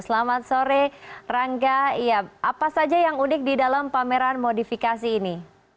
selamat sore rangga apa saja yang unik di dalam pameran modifikasi ini